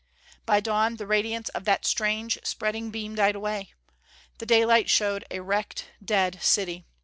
By dawn the radiance of that strange spreading beam died away. The daylight showed a wrecked, dead city.